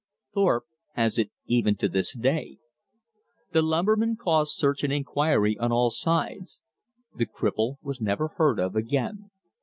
Thorpe has it even to this day. The lumberman caused search and inquiry on all sides. The cripple was never heard of again.